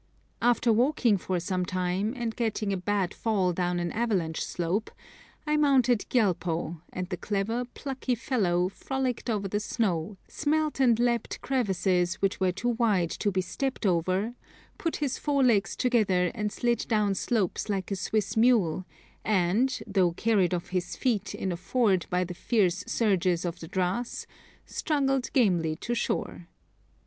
After walking for some time, and getting a bad fall down an avalanche slope, I mounted Gyalpo, and the clever, plucky fellow frolicked over the snow, smelt and leapt crevasses which were too wide to be stepped over, put his forelegs together and slid down slopes like a Swiss mule, and, though carried off his feet in a ford by the fierce surges of the Dras, struggled gamely to shore.